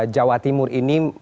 jawa timur ini